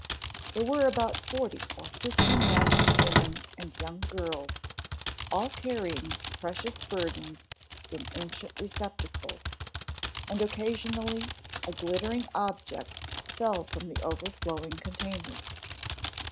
There were about forty or fifty men, women and young girls, all carrying precious burdens in ancient receptacles, and occasionally a glittering object fell from the over flowing containers.